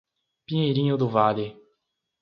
Pinheirinho do Vale